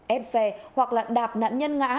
ép xe hoặc là đạp nạn nhân ngã